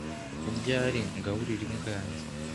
ni ryari ngaburira imbwa yanjye